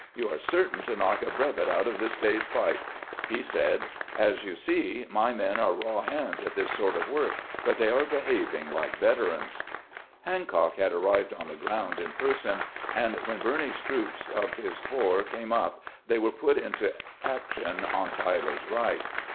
You are certain to knock a brevet out of this day's fight." He said :" As you see, my men are raw hands at this sort of work, but they are behaving like veterans." 128 CAMPAIGNING WITH GRANT Hancock had arrived on the ground in person, and when Birney's troops of his corps came np they were put into action on Tyler's right.